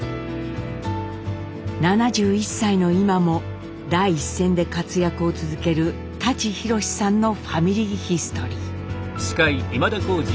７１歳の今も第一線で活躍を続ける舘ひろしさんの「ファミリーヒストリー」。